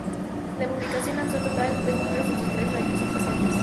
La publicación lanzó en total tres números en sus tres años de existencia.